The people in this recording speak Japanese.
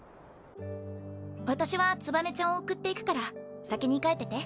私は燕ちゃんを送っていくから先に帰ってて。